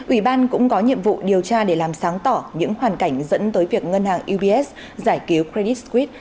ủy ban cũng có nhiệm vụ điều tra để làm sáng tỏ những hoàn cảnh dẫn tới việc ngân hàng ubs giải cứu credis sqit